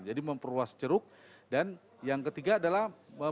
jadi memperluas ceruk dan yang ketiga adalah membangun